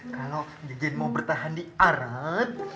kalau dijen mau bertahan di arab